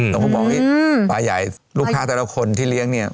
ผมก็บอกปลาใหญ่ลูกค้าแต่ละคนที่เลี้ยงเนี่ย